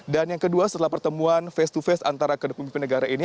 dan yang kedua setelah pertemuan face to face antara kedua pemimpin negara ini